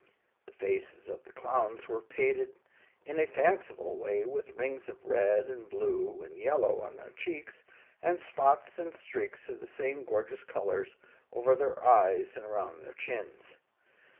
The faces of the Clowns were painted in a fanciful way, with rings of red and blue and yellow on their cheeks, and spots and streaks of the same gorgeous colors over their eyes and around their chins.